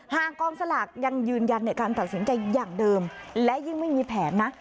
กองสลากยังยืนยันในการตัดสินใจอย่างเดิมและยิ่งไม่มีแผนนะ